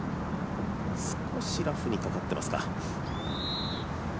少しラフにかかっていますか。